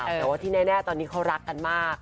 แต่ว่าที่แน่ตอนนี้เขารักกันมาก